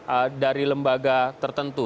ee dari lembaga tertentu